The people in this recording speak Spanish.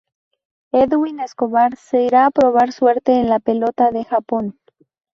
Edwin Escobar se irá a probar suerte en la pelota de Japón.